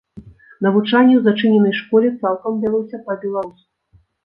Навучанне у зачыненай школе цалкам вялося па-беларуску.